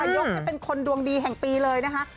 ยกให้เป็นคนดวงดีแห่งปีเลยนะคะ